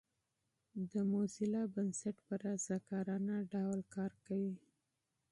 د موزیلا بنسټ په رضاکارانه ډول کار کوي.